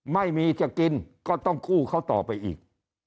ไม่มีจะกินก็ต้องกู้เขาต่อไปอีก